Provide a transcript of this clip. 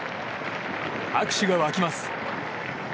拍手が沸きます。